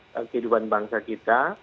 kehidupan bangsa kita